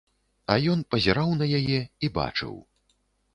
А ён пазіраў на яе і бачыў.